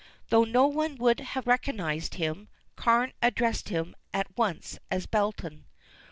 Though no one would have recognized him, Carne addressed him at once as "Belton."